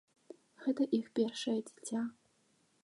Гэта іх першае дзіця.